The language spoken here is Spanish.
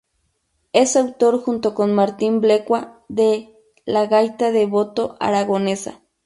Es autor, junto con Martín Blecua, de "La Gaita de Boto Aragonesa".